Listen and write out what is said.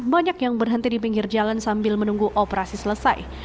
banyak yang berhenti di pinggir jalan sambil menunggu operasi selesai